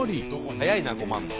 早いな困るの。